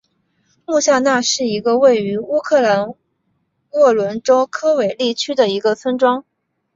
穆夏那是一个位于乌克兰沃伦州科韦利区的一个村庄。